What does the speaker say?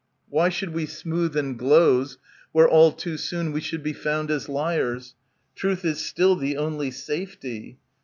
Why should we smooth and gloze, where all too soon We should be found as liars? Truth is still The only safety.